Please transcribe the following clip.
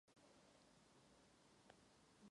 V dětství se věnovala basketbalu a atletice.